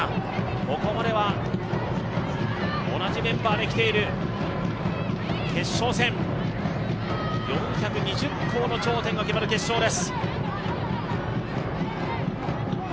ここまでは同じメンバーできている、決勝戦、４２０校の頂点が決まる決勝です。